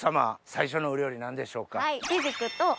最初のお料理何でしょうか？